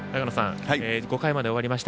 ５回まで終わりまして